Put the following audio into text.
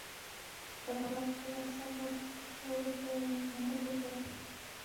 ډګروال خپل افسر راوغوښت او ورته یې امر وکړ